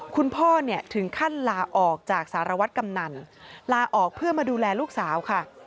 คุณพ่อเนี่ยถึงขั้นลาออกจากสารวัตรกำนันลาออกเพื่อมาดูแลลูกสาวค่ะ